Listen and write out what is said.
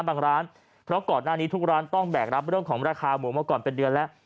ร้านเพราะก่อนหน้านี้ทุกร้านต้องแบกรับเรื่องของราคาหมูมาก่อนเป็นเดือนแล้ว